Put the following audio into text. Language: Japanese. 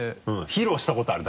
披露したことある？